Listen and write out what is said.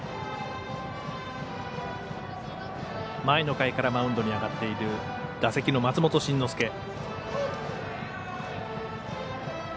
前の回からマウンドに上がっている打席の松本慎之介。